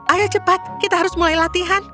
ayo cepat kita harus mulai latihan